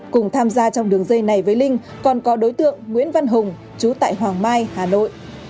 cùng tham gia trong đường dây này với linh còn có đối tượng nguyễn văn hùng chú tại hoàng mai hà nội